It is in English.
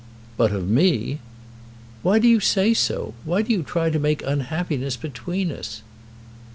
"But of me!" "Why do you say so? Why do you try to make unhappiness between us?"